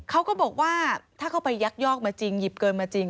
เขาก็บอกว่าถ้าเข้าไปยักยอกมาจริงหยิบเกินมาจริง